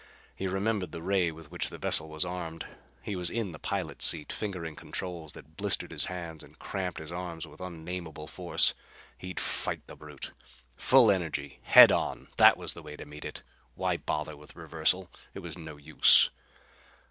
He remembered the ray with which the vessel was armed. He was in the pilot's seat, fingering controls that blistered his hands and cramped his arms with an unnameable force. He'd fight the brute! Full energy head on that was the way to meet it. Why bother with the reversal? It was no use.